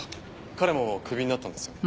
彼もクビになったんですよね。